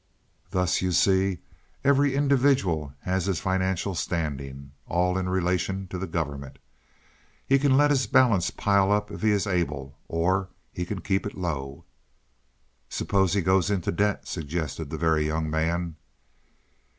"Thus you see, every individual has his financial standing all in relation to the government. He can let his balance pile up if he is able, or he can keep it low." "Suppose he goes into debt?" suggested the Very Young Man.